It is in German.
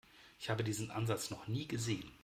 Ich habe diesen Ansatz noch nie gesehen.